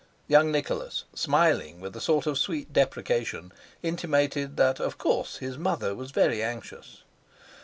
Young Nicholas, smiling with a sort of sweet deprecation, intimated that of course his mother was very anxious.